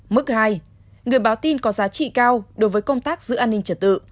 mức hai người báo tin có giá trị cao đối với công tác giữ an ninh trật tự